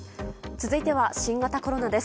続いては新型コロナです。